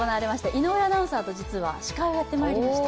井上アナウンサーと実は司会をやってまいりました。